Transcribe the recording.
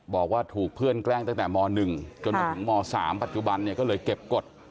บอกว่าถูกเพื่อนแกล้งตั้งแต่ม๑จนมาถึงม๓ปัจจุบันเนี่ยก็เลยเก็บกฎ